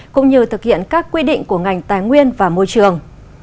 cũng như thực hiện các quy định của ngành tài nguyên và môi trường